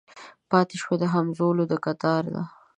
پاته شوي د همزولو د کتاره